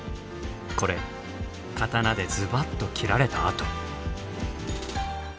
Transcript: これ刀でズバッと斬られた痕。